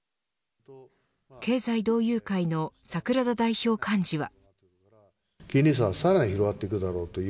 経済同友会の桜田代表幹事は。